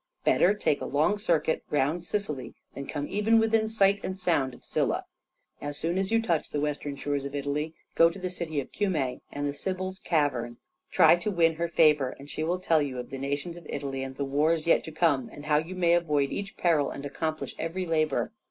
Better take a long circuit round Sicily than come even within sight and sound of Scylla. As soon as you touch the western shores of Italy, go to the city of Cumæ and the Sibyl's cavern. Try to win her favor, and she will tell you of the nations of Italy and the wars yet to come, and how you may avoid each peril and accomplish every labor.